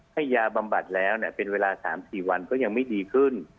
ให้ยาบำบัดแล้วเป็นเวลา๓๔วันก็ยังไม่ดีขึ้น